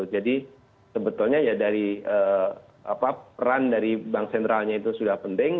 jadi sebetulnya peran dari bank sentralnya itu sudah penting